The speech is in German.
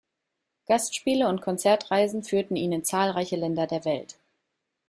Gastspiele und Konzertreisen führten ihn in zahlreiche Länder der Welt.